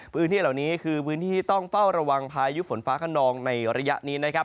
พื้นที่เหล่านี้คือพื้นที่ต้องเฝ้าระวังพายุฝนฟ้าขนองในระยะนี้นะครับ